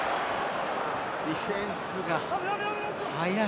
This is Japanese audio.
ディフェンスが速い！